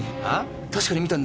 確かに見たんだよ。